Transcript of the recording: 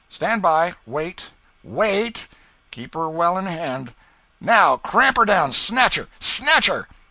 Stand by wait WAIT keep her well in hand. NOW cramp her down! Snatch her! snatch her!'